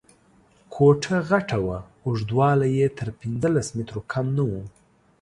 کوټه غټه وه، اوږدوالی یې تر پنځلس مترو کم نه و.